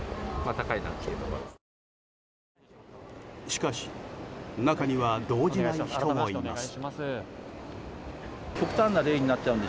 しかし中には動じない人もいます。